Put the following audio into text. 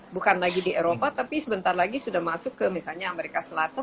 bukan lagi di eropa tapi sebentar lagi sudah masuk ke misalnya amerika selatan